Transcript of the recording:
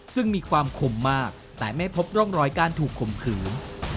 ซึ่งมีความคมมากแต่ไม่พบร่องรอยการถูกข่มขืน